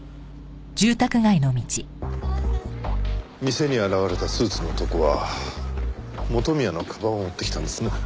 店に現れたスーツの男は元宮の鞄を追ってきたんですね。